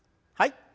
はい。